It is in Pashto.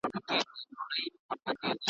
نوم مي دي پر هره مرغلره درلیکلی دی .